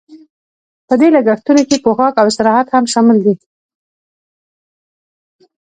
په دې لګښتونو کې پوښاک او استراحت هم شامل دي